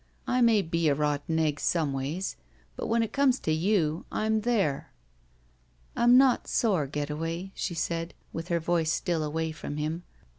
I may be a rotten egg some ways, but when it comes to you, I'm there." "I'm not sore. Getaway," she said, with her voice still away from him.